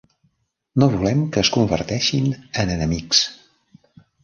No volem que es converteixin en enemics.